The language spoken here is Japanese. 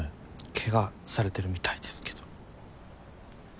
ケガされてるみたいですけど。